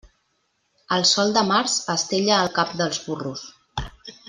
El sol de març estella el cap dels burros.